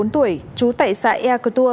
bốn mươi bốn tuổi chú tại xã yakutua